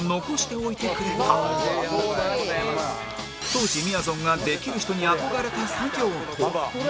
当時みやぞんができる人に憧れた作業とは？